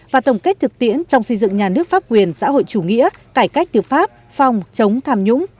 và tổng kết thực tiễn trong xây dựng nhà nước pháp quyền xã hội chủ nghĩa cải cách tư pháp phòng chống tham nhũng